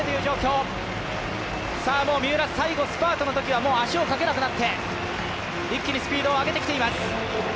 三浦、最後、スパートのときは足をかけなくなって一気にスピードを上げてきています。